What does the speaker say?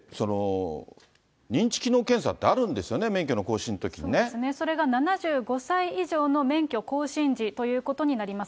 認知機能検査ってあるんですよね、それが７５歳以上の免許更新時ということになります。